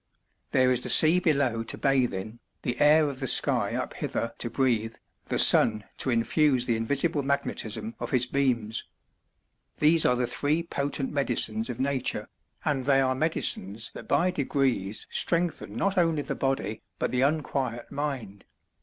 There is the sea below to bathe in, the air of the sky up hither to breathe, the sun to infuse the invisible magnetism of his beams. These are the three potent medicines of nature, and they are medicines that by degrees strengthen not only the body but the unquiet mind.